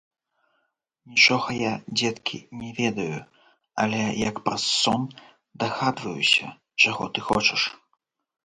Нічога я, дзеткі, не ведаю, але, як праз сон, дагадваюся, чаго ты хочаш.